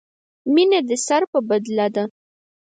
مینه دې سر په بدله ده.